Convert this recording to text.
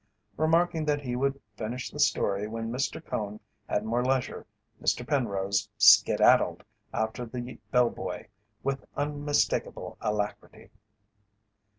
Remarking that he would finish the story when Mr. Cone had more leisure, Mr. Penrose "skedaddled" after the bell boy with unmistakable alacrity.